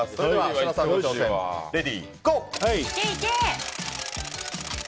設楽さんの挑戦レディーゴー！